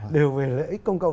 đều về lợi ích công cộng